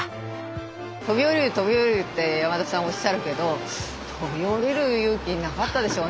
飛び降りる飛び降りるって山田さんおっしゃるけど飛び降りる勇気なかったでしょうね